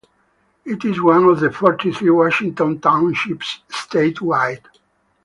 It is one of forty-three Washington Townships statewide.